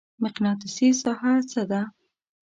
مقناطیسي ساحه څه ده؟